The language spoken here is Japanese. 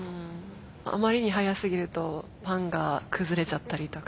あまりに速すぎるとパンが崩れちゃったりとか。